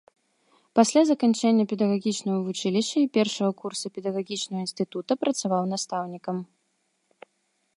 Пасля заканчэння педагагічнага вучылішча і першага курса педагагічнага інстытута працаваў настаўнікам.